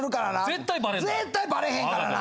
絶対バレへんからな。